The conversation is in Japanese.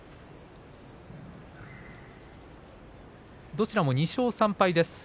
どちらも２勝３敗です。